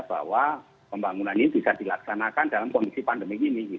bahwa pembangunan ini bisa dilaksanakan dalam kondisi pandemi ini